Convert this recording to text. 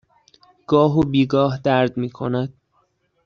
گاه و بیگاه درد می کند.